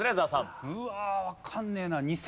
うわわかんねえな。